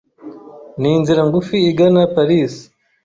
Ninzira ngufi igana Paris.